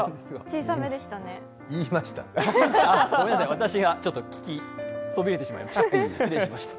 私がちょっと聞きそびれてしまいました。